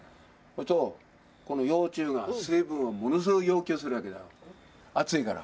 すると、この幼虫が水分をものすごい要求するわけだよ、暑いから。